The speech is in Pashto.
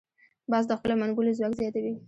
باز د خپلو منګولو ځواک زیاتوي